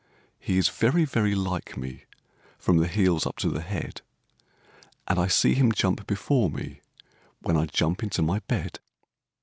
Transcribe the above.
He is very, very like me from the heels up to the head; And I see him jump before me, when I jump into my bed.